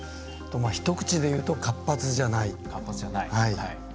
一口で言うと活発じゃない。